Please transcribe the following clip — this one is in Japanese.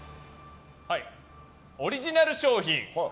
オリジナル商品。